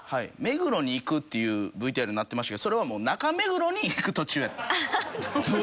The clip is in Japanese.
目黒に行くっていうＶＴＲになってましたけどそれはもう中目黒に行く途中やった。